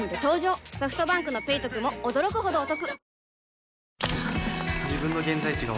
ソフトバンクの「ペイトク」も驚くほどおトク